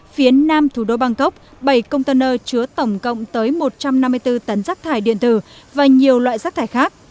phía nam thủ đô bangkok bảy container chứa tổng cộng tới một trăm năm mươi bốn tấn rác thải điện tử và nhiều loại rác thải khác